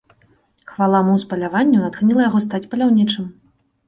Хвала муз паляванню натхніла яго стаць паляўнічым.